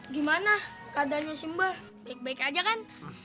gimana keadaannya si mbah baik baik aja kan